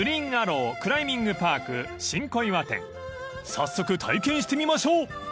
［早速体験してみましょう］